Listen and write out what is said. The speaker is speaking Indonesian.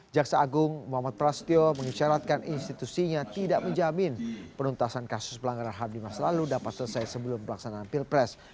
jaksa agung muhammad prasetyo mengisyaratkan institusinya tidak menjamin penuntasan kasus pelanggaran ham di masa lalu dapat selesai sebelum pelaksanaan pilpres